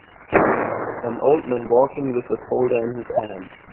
an old man walking with a folder in his hand